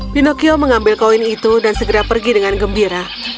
pinocchio mengambil koin itu dan segera pergi dengan gembira